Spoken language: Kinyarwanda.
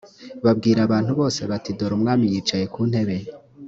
babwira abantu bose bati dore umwami yicaye ku ntebe